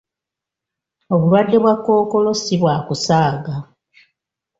Obulwadde bwa kkookolo si bwa kusaaga.